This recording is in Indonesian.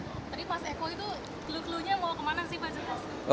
tadi pas eko itu klunya mau kemana sih pak